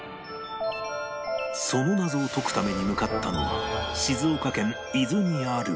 その謎を解くために向かったのが静岡県伊豆にある